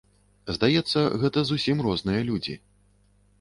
Здаецца, гэта зусім розныя людзі.